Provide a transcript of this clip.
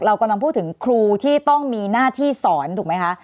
เรากำลังพูดถึงครูที่ต้องมีหน้าที่สอนถูกไหมคะ